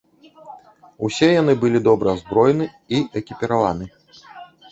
Усе яны былі добра ўзброены і экіпіраваны.